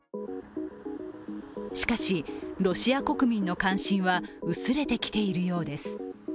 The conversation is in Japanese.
しかし、ロシア国民の関心は薄れてきているようです。